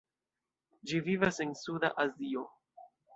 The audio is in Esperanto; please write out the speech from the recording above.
Ĝi vivas en Suda Azio.